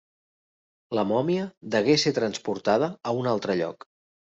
La mòmia degué ser transportada a un altre lloc.